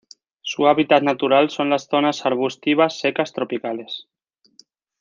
Su hábitat natural son las zonas arbustivas secas tropicales.